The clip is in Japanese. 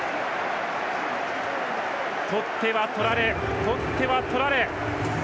取っては取られ、取っては取られ。